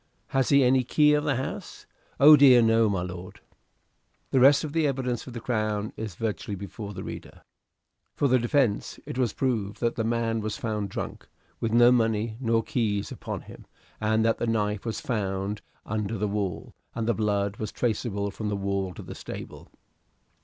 "Has he any key of the house?" "Oh, dear, no, my lord." The rest of the evidence for the Crown is virtually before the reader. For the defence it was proved that the man was found drunk, with no money nor keys upon him, and that the knife was found under the wall, and the blood was traceable from the wall to the stable.